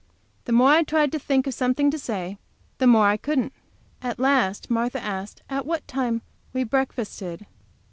The more I tried to think of something to say the more I couldn't. At last Martha asked at what time we breakfasted.